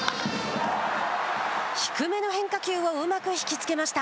低めの変化球をうまく引きつけました。